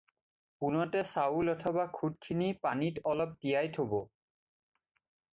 পোনতে চাউল অথবা খুদখিনি পানীত অলপ পৰ তিয়াই থ'ব।